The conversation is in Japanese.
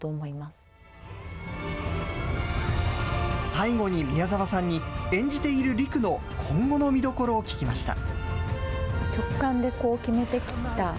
最後に宮沢さんに、演じているりくの今後の見どころを聞きました。